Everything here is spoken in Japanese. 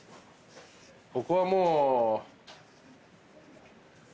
ここはもう。